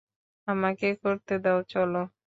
আমাকে করতে দাও, চলো!